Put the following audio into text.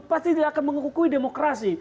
pasti tidak akan menghukui demokrasi